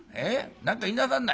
何か言いなさんな。